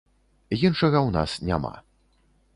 Іншага ў нас няма.